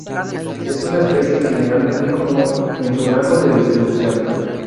Es una especie generalmente común en su rango de distribución.